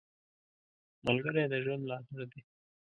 ملګری د ژوند ملاتړ دی